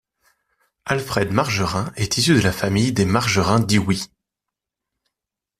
Alfred Margerin est issu de la famille des Margerin d'Iwuy.